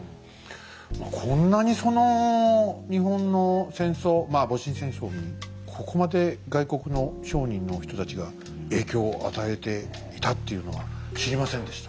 こんなにその日本の戦争まあ戊辰戦争にここまで外国の商人の人たちが影響を与えていたっていうのは知りませんでした。